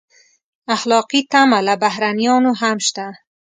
اخلاقي تمه له بهرنیانو هم شته.